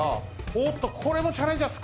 おっとこれもチャレンジャー